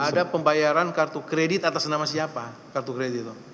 ada pembayaran kartu kredit atas nama siapa kartu kredit itu